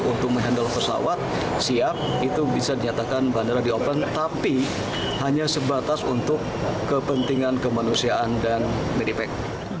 untuk menghandle pesawat siap itu bisa dinyatakan bandara di open tapi hanya sebatas untuk kepentingan kemanusiaan dan medipack